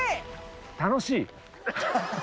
楽しい！